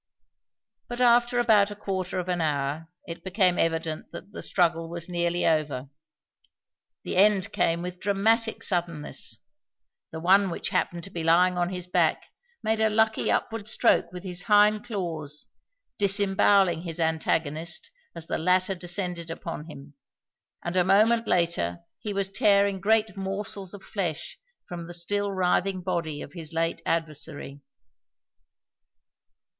But after about a quarter of an hour it became evident that the struggle was nearly over. The end came with dramatic suddenness: the one which happened to be lying upon his back made a lucky upward stroke with his hind claws, disembowelling his antagonist as the latter descended upon him, and a moment later he was tearing great morsels of flesh from the still writhing body of his late adversary.